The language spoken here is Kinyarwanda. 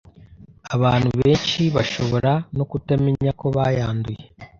Abantu benshi bashobora no kutamenya ko bayanduye